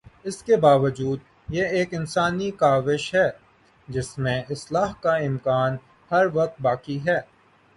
اس کے باوجود یہ ایک انسانی کاوش ہے جس میں اصلاح کا امکان ہر وقت باقی ہے۔